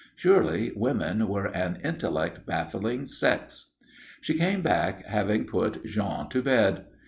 Surely women were an intellect baffling sex. She came back, having put Jean to bed.